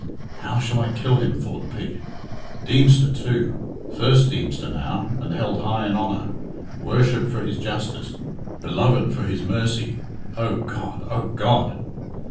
"How shall I kill him?" thought Pete. Deemster too! First Deemster now, and held high in honour! Worshipped for his justice! Beloved for his mercy! O God! O God!